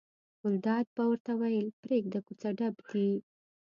ګلداد به ورته ویل پرېږده یې کوڅه ډب دي.